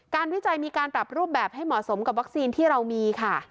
วิจัยมีการปรับรูปแบบให้เหมาะสมกับวัคซีนที่เรามีค่ะ